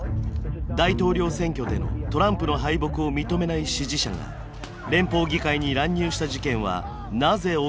大統領選挙でのトランプの敗北を認めない支持者が連邦議会に乱入した事件はなぜ起きたのか？